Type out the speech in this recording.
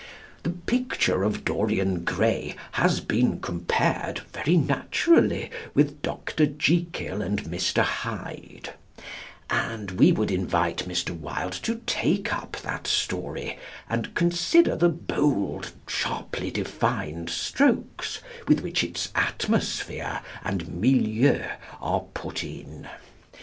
"The Picture of Dorian Gray," has been compared, very naturally, with "Dr. Jekyll and Mr. Hyde" and we would invite Mr. Wilde to take up that story, and consider the bold, sharply defined strokes with which its atmosphere and "milieu" are put in.